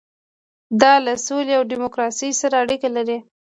دا له سولې او ډیموکراسۍ سره اړیکه لري.